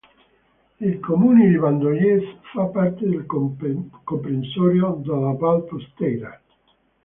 Il comune di Vandoies fa parte del comprensorio della Val Pusteria.